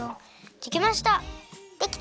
できました。